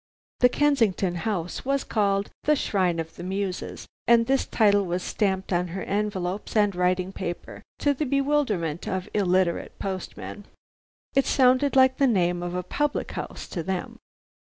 The Kensington house was called "The Shrine of the Muses!" and this title was stamped on her envelopes and writing paper, to the bewilderment of illiterate postmen. It sounded like the name of a public house to them.